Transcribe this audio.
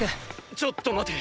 ちょっと待て。